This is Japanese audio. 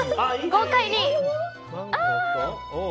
豪快に！